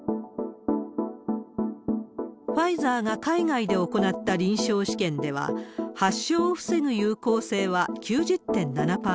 ファイザーが海外で行った臨床試験では、発症を防ぐ有効性は９０．７％。